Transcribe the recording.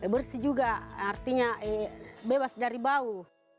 bersih juga artinya bebas dari bau